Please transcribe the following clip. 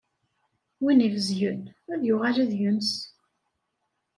Win ibezgen, ad yuɣal ad yens.